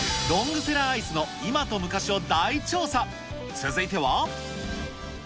続いては。